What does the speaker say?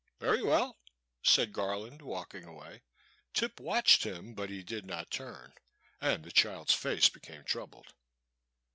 Very well," said Garland, walking away. Tip watched him, but he did not turn, and the child's face became troubled.